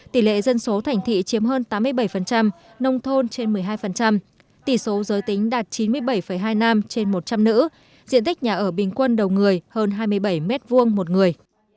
tỷ lệ dân số thành thị chiếm hơn tám mươi bảy nông thôn trên một mươi hai tỷ số giới tính đạt chín mươi bảy hai nam trên một trăm linh nữ diện tích nhà ở bình quân đầu người hơn hai mươi bảy m hai một người